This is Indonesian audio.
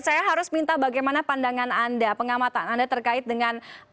saya harus minta bagaimana pandangan anda pengamatan anda terkait dengan